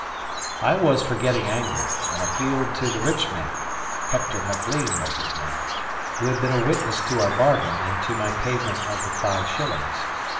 I was for getting angry, and appealed to the rich man (Hector Maclean was his name), who had been a witness to our bargain and to my payment of the five shillings.